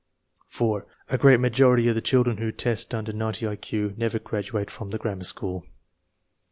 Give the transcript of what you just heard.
4. A great majority of the children who test under 90 I Q never graduate from the grammar school.